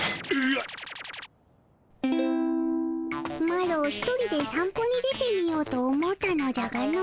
マロ一人で散歩に出てみようと思うたじゃがの。